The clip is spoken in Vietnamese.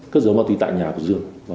cất giấu ma túy tại nhà của dương